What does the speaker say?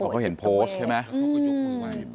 เขาเห็นโพสต์ใช่ไหม